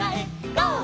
ゴー！」